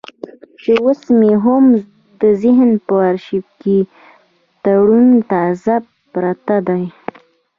چې اوس مې هم د ذهن په ارشيف کې ترو تازه پرته ده.